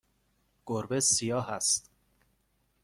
گربه سیاه است.